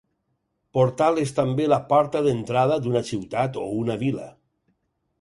Portal és també la porta d’entrada d’una ciutat o una vila.